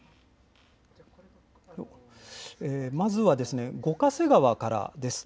まずは五ヶ瀬川からです。